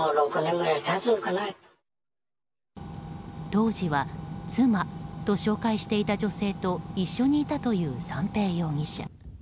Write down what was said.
当時は妻と紹介していた女性と一緒にいたという三瓶容疑者。